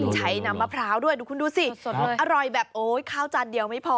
ใช้น้ำมะพร้าวด้วยดูคุณดูสิอร่อยแบบโอ๊ยข้าวจานเดียวไม่พอ